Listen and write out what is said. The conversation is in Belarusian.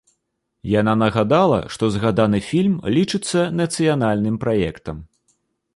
Яна нагадала, што згаданы фільм лічыцца нацыянальным праектам.